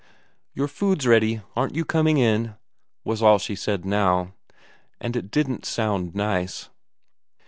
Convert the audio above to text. "Your food's ready, aren't you coming in?" was all she said now. And it didn't sound nice.